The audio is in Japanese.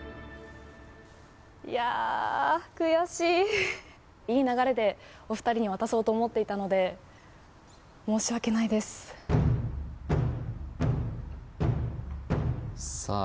いや悔しいっいい流れでお二人に渡そうと思っていたので申し訳ないですさあ